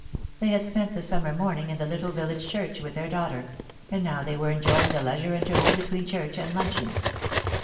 They had spent the summer morning in the little village church with their daughter ; and now they were enjoying the leisure interval between church and luncheon.